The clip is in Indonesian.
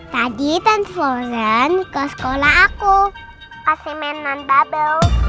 tadi tante frozen ke sekolah aku kasih mainan bubble